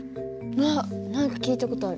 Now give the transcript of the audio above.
あっ何か聞いた事ある。